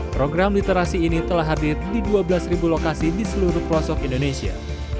program literasi ini telah hadir di dua belas lokasi di seluruh pelosok indonesia